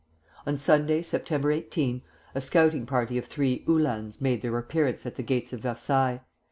On Sunday, September 18, a scouting party of three Uhlans made their appearance at the gates of Versailles.